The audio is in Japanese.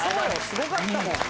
すごかったもん。